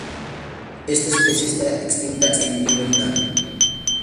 Esta especie está extinta en libertad.